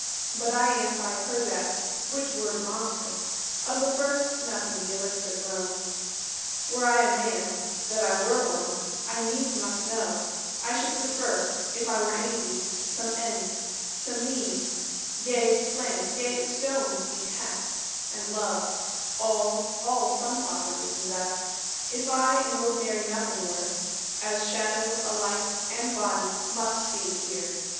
But I am by her death, (which word wrongs her) Of the first nothing, the Elixer grown; Were I a man, that I were one, I needs must know; I should preferre, If I were any beast, Some ends, some means; Yea plants, yea stones detest, And love; All, all some properties invest; If I an ordinary nothing were, As shadow, a light, and body must be here.